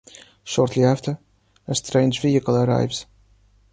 Shortly after, a strange vehicle arrives.